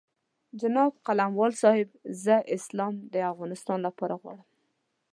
جناب قلموال صاحب زه اسلام د افغانستان لپاره غواړم.